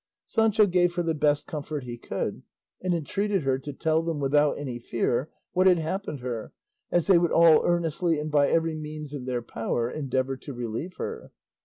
Sancho gave her the best comfort he could, and entreated her to tell them without any fear what had happened her, as they would all earnestly and by every means in their power endeavour to relieve her.